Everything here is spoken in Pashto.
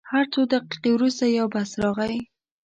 هر څو دقیقې وروسته یو بس راغی.